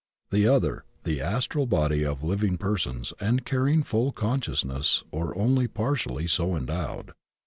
The other, the astral body of living persons and carry ing full consciousness or only partially so endowed.